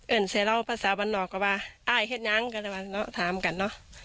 เอิญเสร็จเล่าภาษาบรรณนอกกับว่าอ้ายเห็นยังก็เลยว่าเนอะถามกันเนอะ